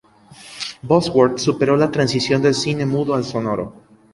Bosworth superó la transición del cine mudo al sonoro.